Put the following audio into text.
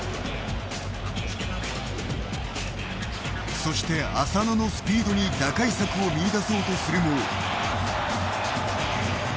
そして浅野のスピードに打開策を見いだそうとするも。